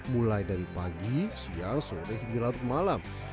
mulai dari pagi siang sore hingga lalu ke malam